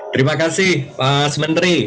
terima kasih pak asmentri